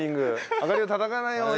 あがりをたたかないように。